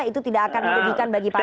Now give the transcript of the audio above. itu tidak akan merugikan bagi para pemilih